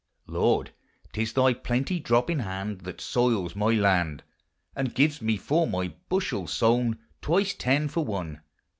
Lord, 'tis thy plenty dropping hand That soiles my land. And gives me for my bushel sowne. Twice ten for one.